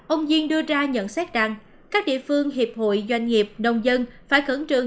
ông diên đưa ra nhận xét rằng các địa phương hiệp hội doanh nghiệp đông dân phải khẩn trường